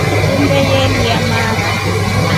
Humbe yelya mara.